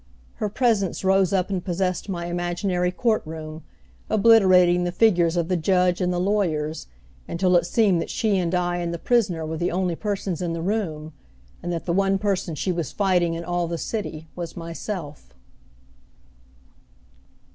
Her presence rose up and possessed my imaginary court room, obliterating the figures of the judge and the lawyers, until it seemed that she and I and the prisoner were the only persons in the room, and that the one person she was fighting in all the city was myself.